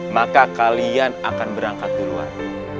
maka kalian akan berangkat ke luar